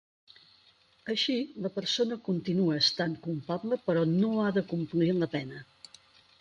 Així la persona continua estant culpable però no ha de complir la pena.